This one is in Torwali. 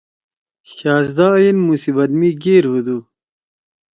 شہزدا ایَن مصیبت می گیر ہُودُو۔